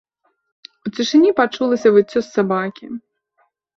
У цішыні пачулася выццё сабакі.